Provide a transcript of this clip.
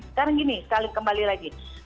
sekarang gini kembali lagi